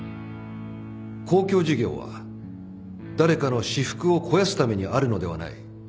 公共事業は誰かの私腹を肥やすためにあるのではない。